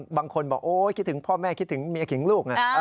บางคนบอกโอ๊ยคิดถึงพ่อแม่คิดถึงเมียขิงลูก